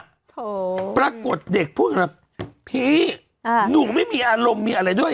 โถปรากฏเด็กพูดแบบพี่อ่าหนูไม่มีอารมณ์มีอะไรด้วย